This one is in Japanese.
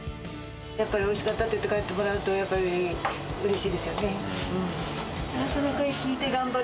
やっぱりおいしかったって言って帰ってくれると、やっぱりうれしいですよね。